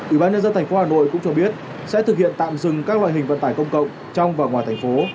ủy ban nhân dân tp hà nội cũng cho biết sẽ thực hiện tạm dừng các loại hình vận tải công cộng trong và ngoài thành phố